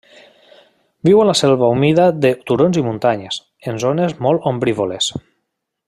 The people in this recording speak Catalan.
Viu a la selva humida de turons i muntanyes, en zones molt ombrívoles.